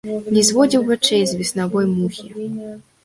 Не зводзіў вачэй з веснавой мухі.